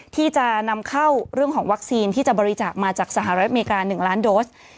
ที่จะนำเข้าเรื่องของวัคซีนที่จะบริจาคมาจากสหรัฐอเมริกา๑ล้านโดส